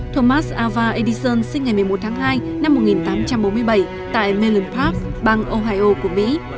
thomas ava edison sinh ngày một mươi một tháng hai năm một nghìn tám trăm bốn mươi bảy tại mel park bang ohio của mỹ